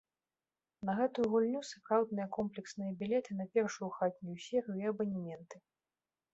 На гэтую гульню сапраўдныя комплексныя білеты на першую хатнюю серыю і абанементы.